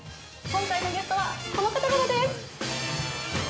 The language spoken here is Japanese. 今回のゲストは、この方々です。